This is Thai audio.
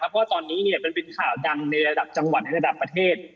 เพราะว่าตอนนี้มันเป็นข่าวดังในระดับจังหวัดในระดับประเทศ